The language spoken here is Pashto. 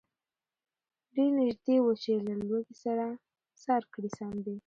ډېر نیژدې وو چي له لوږي سر کړي ساندي